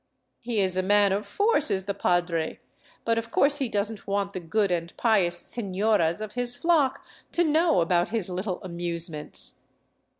He is a man of force, is the padre. But of course he doesn't wai 348 OVERLAND TOWARD CUZCO the good and pious senoras of his flock to know about his little amusements.